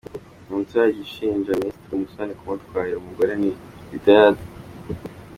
Umuturage ushinja Minisitiri Musoni kumutwarira umugore ni Rtd.